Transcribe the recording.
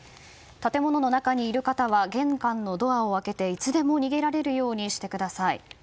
建物の中にいる方は玄関のドアを開けていつでも逃げられるようにしてください。